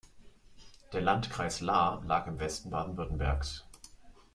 Der Landkreis Lahr lag im Westen Baden-Württembergs.